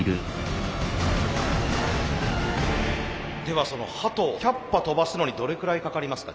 ではその鳩１００羽飛ばすのにどれくらいかかりますか？